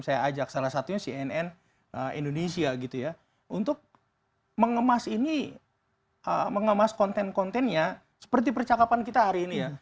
saya ajak salah satunya cnn indonesia gitu ya untuk mengemas ini mengemas konten kontennya seperti percakapan kita hari ini ya